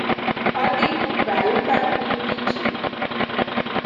Addig dugd be a lyukat, míg kicsi.